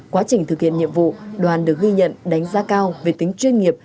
quá trình thực hiện nhiệm vụ đoàn được ghi nhận đánh giá cao về tính chuyên nghiệp